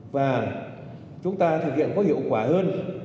và chúng ta thực hiện có hiệu quả hơn